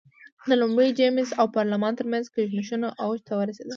د لومړي جېمز او پارلمان ترمنځ کشمکشونه اوج ته ورسېدل.